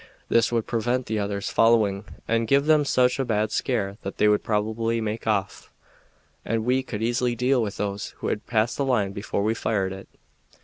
This would prevent the others following, and give them such a bad scare that they would probably make off, and we could easily deal with those who had passed the line before we fired it."